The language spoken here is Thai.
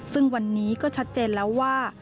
ซึ่งวันนี้ก็ชัดเจนแล้วว่า